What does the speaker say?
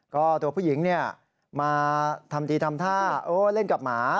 ก็ตัวผู้หญิงมาทำทีทำท่าเล่นกับหมา